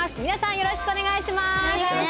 よろしくお願いします。